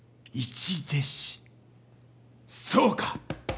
そうか！